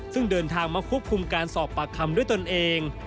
ซึ่งเดินทางมาควบคุมการสอบปากคำด้วยตนเอง